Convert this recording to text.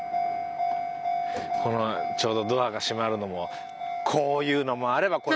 このちょうどドアが閉まるのもこういうのもあれば。